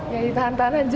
ya di tahan tahan saja